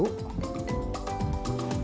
masukkan adonan tepung